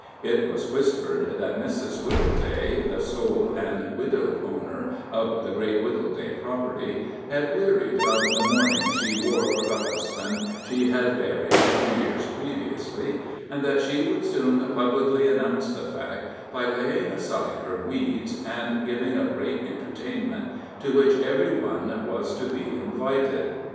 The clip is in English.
It was whispered that Mrs. Wittleday, the sole and widowed owner of the great Wittleday property, had wearied of the mourning she wore for the husband she had buried two years previously, and that she would soon publicly announce the fact by laying aside her weeds and giving a great entertainment, to which every one was to be invited.